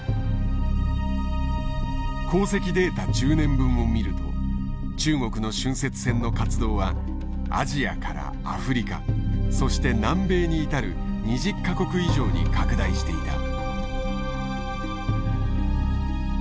航跡データ１０年分を見ると中国の浚渫船の活動はアジアからアフリカそして南米に至る２０か国以上に拡大していた。